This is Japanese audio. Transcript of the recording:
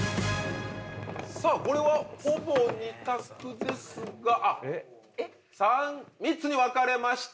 さぁこれはほぼ２択ですが３つに分かれました。